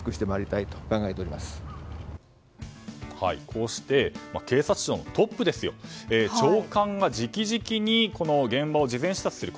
こうして警察庁のトップですよ長官が直々にこの現場を事前視察する。